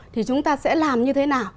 thì chúng ta sẽ làm như thế nào